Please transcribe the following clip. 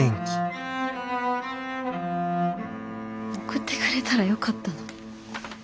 送ってくれたらよかったのに。